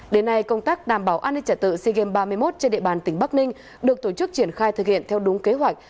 đến nay công tác đảm bảo an ninh trả tự sea games ba mươi một trên địa bàn tỉnh bắc ninh được tổ chức triển khai thực hiện theo đúng kế hoạch